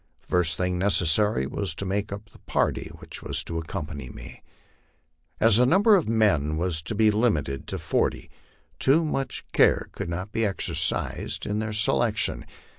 The first thing ne cessary was to make up the party which was to accompany me. As the number of men was to be limited to forty, too much care could not be exercised in their selection.